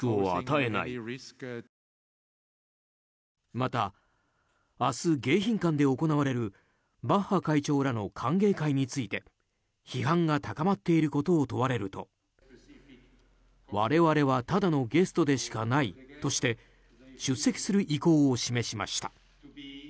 また明日、迎賓館で行われるバッハ会長らの歓迎会について批判が高まっていることを問われると我々はただのゲストでしかないとして出席する意向を示しました。